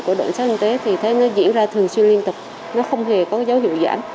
của đội sát y tế thì thấy nó diễn ra thường xuyên liên tục nó không hề có dấu hiệu giảm